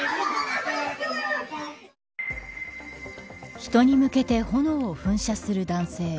人に向けて炎を噴射する男性。